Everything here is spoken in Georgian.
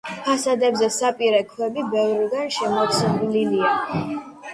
ფასადებზე საპირე ქვები ბევრგან შემოცლილია.